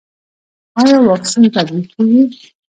آیا واکسین تطبیقیږي؟